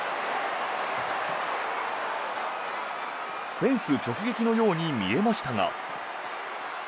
フェンス直撃のように見えましたが。